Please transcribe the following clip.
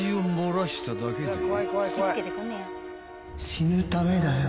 「死ぬためだよ」